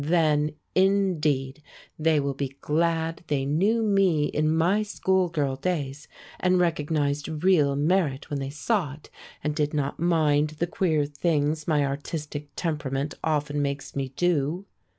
Then, indeed, they will be glad they knew me in my schoolgirl days, and recognized real merit when they saw it, and did not mind the queer things my artistic temperament often makes me do.